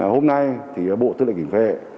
hôm nay thì bộ tư lệnh cảnh vệ